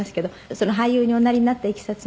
「その俳優におなりになったいきさつも」